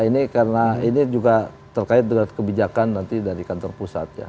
ini karena ini juga terkait dengan kebijakan nanti dari kantor pusat ya